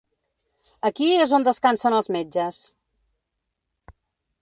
Aquí és on descansen els metges.